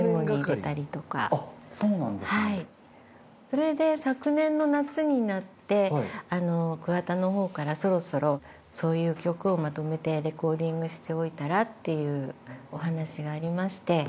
それで昨年の夏になって桑田の方から「そろそろそういう曲をまとめてレコーディングしておいたら？」っていうお話がありまして。